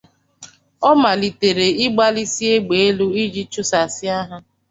ọ malitere ịgbalisi egbe elu iji chụsasịa ha